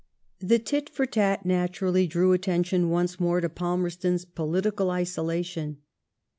The tit*for tat naturally drew attention once more to Palmerston's political isolation.